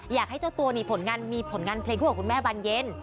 อยากให้เจ้าตัวนี้มีผลงานเพลงด้วยกับคุณแม่บานเย็น